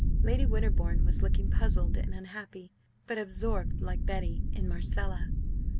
Lady Winterbourne was looking puzzled and unhappy, but absorbed like Betty in Marcella.